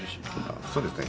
そうですね。